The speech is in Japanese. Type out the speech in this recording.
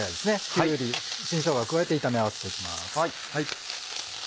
きゅうり新しょうがを加えて炒め合わせていきます。